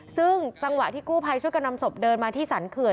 ซึ่งจังหวะที่กู้ภัยช่วยกันนำศพเดินมาที่สรรเขื่อน